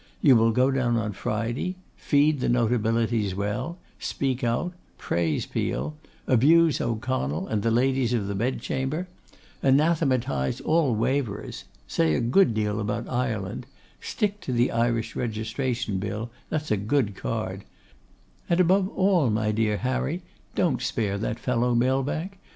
You will go down on Friday; feed the notabilities well; speak out; praise Peel; abuse O'Connell and the ladies of the Bed chamber; anathematise all waverers; say a good deal about Ireland; stick to the Irish Registration Bill, that's a good card; and, above all, my dear Harry, don't spare that fellow Millbank.